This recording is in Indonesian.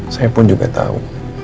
saya pun juga tahu